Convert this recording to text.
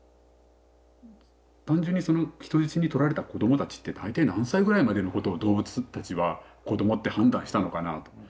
単純にその人質にとられた子どもたちって大体何歳くらいまでのことを動物たちは子どもって判断したのかなあと。